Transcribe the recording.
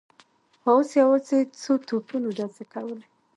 خو اوس یوازې یو څو توپونو ډزې کولې.